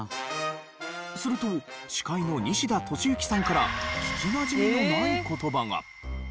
すると司会の西田敏行さんから聞きなじみのない言葉が。